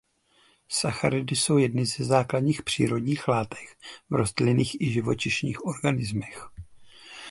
Sacharidy jsou jedny ze základních přírodních látek v rostlinných i živočišných organismech.